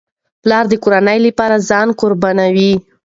پلار د کورنۍ لپاره ځان قربانوي.